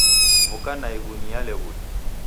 W'uka naighu niale w'uli.